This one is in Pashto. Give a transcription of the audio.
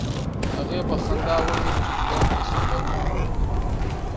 هغې په خندا وویل چې ژوند د سفرونو نوم دی.